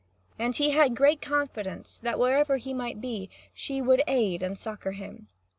And he had great confidence that, wherever he might be, she would aid and succour him.